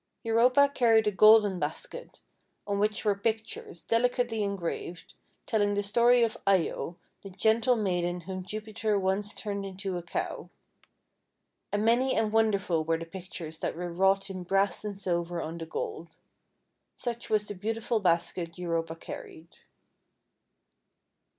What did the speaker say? Europa carried a golden basket, on which were pictures, delicately engraved, telling the story of lo, the gentle maiden whom Jupiter THE SNOW WHITE BULL 401 once turned into a cow. And many and won derful were the pictures that were wrought in brass and silver on the gold. Such was the beautiful basket Europa carried.